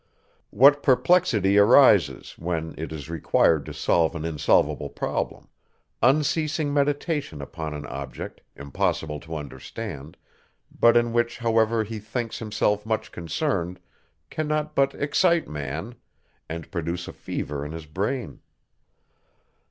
What perplexity arises, when it is required to solve an insolvable problem; unceasing meditation upon an object, impossible to understand, but in which however he thinks himself much concerned, cannot but excite man, and produce a fever in his brain.